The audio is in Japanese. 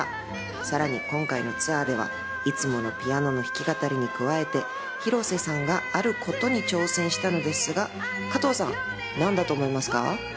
さらに今回のツアーでは、いつものピアノの弾き語りに加えて、広瀬さんがあることに挑戦したのですが、加藤さん、なんだと思いますか？